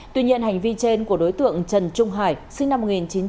tuy nhiên hành vi trên của đối tượng trần trung hải sinh năm một nghìn chín trăm tám mươi